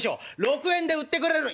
「６円で売ってくれる？